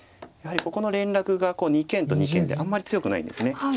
やはりここの連絡が二間と二間であんまり強くないんです。